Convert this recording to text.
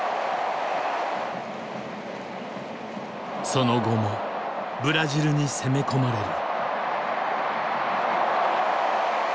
その後もブラジルに攻め込まれる。